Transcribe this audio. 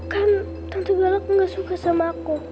kan tante galak gak suka sama aku